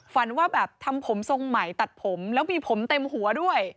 ฝันว่าแบบทำผมทรงใหม่ตัดผมแล้วมีผมเต็มหัวด้วย